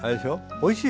おいしい。